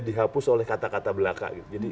dihapus oleh kata kata belaka gitu jadi